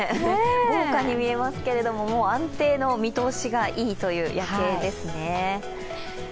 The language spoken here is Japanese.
豪華に見えますけどもう安定の見通しがいいという夜景ですね。